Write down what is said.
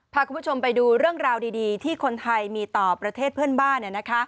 พาคุณผู้ชมไปดูเรื่องราวดีที่คนไทยมีต่อประเทศเพื่อนบ้าน